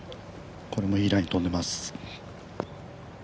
これもいいライン、飛んでいます。